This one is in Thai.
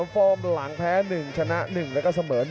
ฟอร์มหลังแพ้๑ชนะ๑แล้วก็เสมอ๑